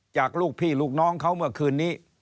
จากลูกพี่ลูกน้องเขาเมื่อคืนนี้